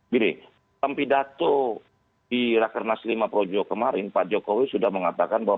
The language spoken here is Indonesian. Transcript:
gini dalam pidato di rakernas lima projo kemarin pak jokowi sudah mengatakan bahwa